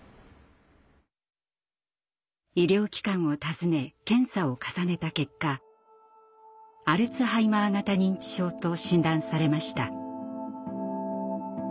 医療機関を訪ね検査を重ねた結果「アルツハイマー型認知症」と診断されました。